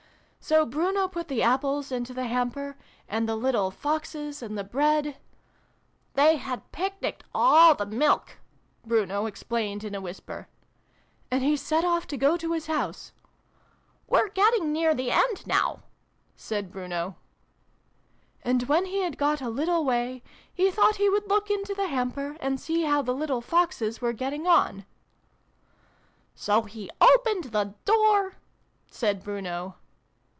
" So Bruno put the Apples into the hamper and the little Foxes and the Bread ("They had picnicked all the Milk," Bruno xv] THE LITTLE FOXES. 239 explained in a whisper) " and he set off to go to his house." ("We're getting near the end now," said Bruno.) " And, when he had got a little way, he thought he would look into the hamper, and see how the little Foxes were getting on." " So he opened the door " said Bruno.